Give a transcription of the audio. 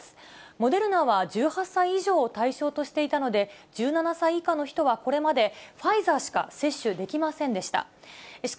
モデルナは１８歳以上を対象としていたので、１７歳以下の人はこれまでファイザーしか接種できませんでした。